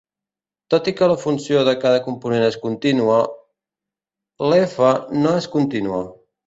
Tot i que la funció de cada component és contínua, l'"f" no és contínua.